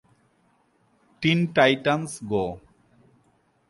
Tin Titans go!